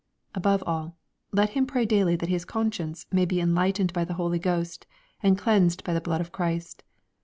Above all, let him pray daily that his con science may be enlightened by the Holy Ghost, and cleansed by the blood of Christ.